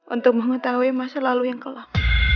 untuk mengetahui masa lalu yang kelak